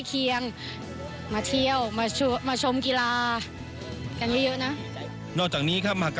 ก็ได้พาดิกเพราะทุกลูกก็ชอบด้วยค่ะกีฬากร์